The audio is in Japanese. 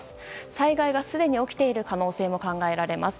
災害がすでに起きている可能性も考えられます。